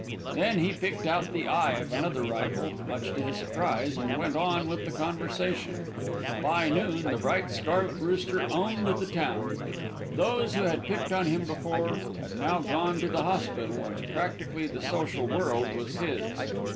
Then he picked out the eye of another rival, much to his surprise, and went on with the conversation. By noon the bright scarlet rooster owned the town. Those who had picked on him before had now gone to the hospital, and practically the social world was his.